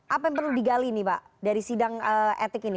apa yang perlu digali nih pak dari sidang etik ini